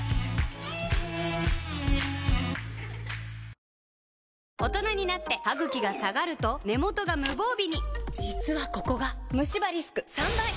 そして亀梨が大人になってハグキが下がると根元が無防備に実はここがムシ歯リスク３倍！